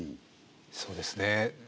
そうですね